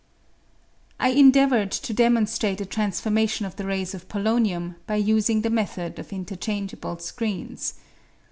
I endeavoured to demonstrate a transformation of the rays of polonium by using the method of interchangeable screens.